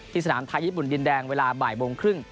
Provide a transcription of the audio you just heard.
สนามไทยญี่ปุ่นดินแดงเวลาบ่ายโมงครึ่ง